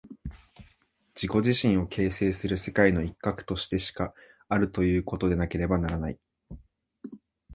自己自身を形成する世界の一角としてしかあるということでなければならない。